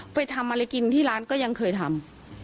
ไปทำอะไรกินที่ร้านก็ยังเคยทำ